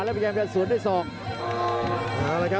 และพยายามจะสวนด้วยส่อง